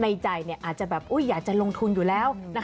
ในใจอาจจะแบบอยากจะลงทุนอยู่แล้ว